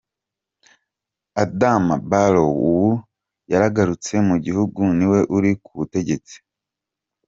Adama Barow ubu yagarutse mu gihugu niwe uri kubutegetsi.